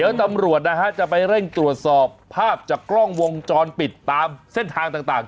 เดี๋ยวตำรวจนะฮะจะไปเร่งตรวจสอบภาพจากกล้องวงจรปิดตามเส้นทางต่าง